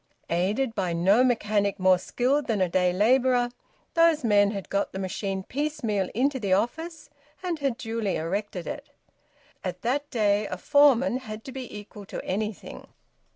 Aided by no mechanic more skilled than a day labourer, those men had got the machine piecemeal into the office, and had duly erected it. At that day a foreman had to be equal to anything.